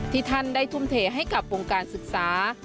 ท่านได้ทุ่มเทให้กับวงการศึกษา